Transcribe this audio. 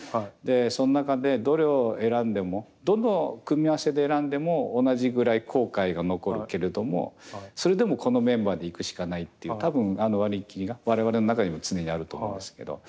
その中でどれを選んでもどの組み合わせで選んでも同じぐらい後悔が残るけれどもそれでもこのメンバーで行くしかないっていう多分割り切りが我々の中にも常にあると思うんですけど。